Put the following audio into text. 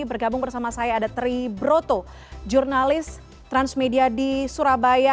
bergabung bersama saya ada tri broto jurnalis transmedia di surabaya